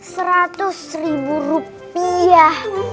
seratus ribu rupiah